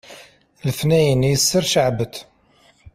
letniyen yesser ceɛbet